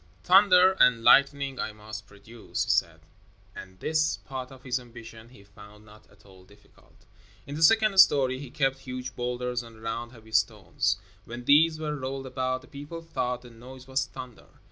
"Thunder and lightning I must produce," he said, and this part of his ambition he found not at all difficult. In the second story he kept huge boulders and round heavy stones. When these were rolled about the people thought the noise was thunder.